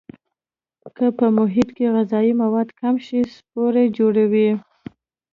که په محیط کې غذایي مواد کم شي سپور جوړوي.